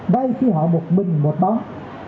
đây khi họ một mình một bóng